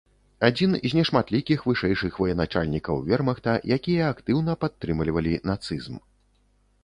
Адзін з нешматлікіх вышэйшых военачальнікаў вермахта, якія актыўна падтрымлівалі нацызм.